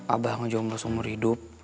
abah ngejomblos umur hidup